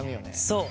そう。